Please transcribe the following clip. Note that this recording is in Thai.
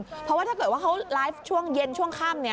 เพราะว่าถ้าเกิดว่าเขาไลฟ์ช่วงเย็นช่วงค่ำ